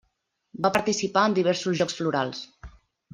Va participar en diversos Jocs Florals.